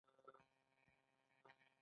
وخت تر ټولو قیمتي سرمایه ده باید ضایع نشي.